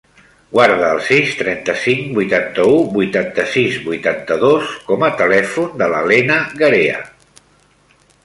Guarda el sis, trenta-cinc, vuitanta-u, vuitanta-sis, vuitanta-dos com a telèfon de la Lena Garea.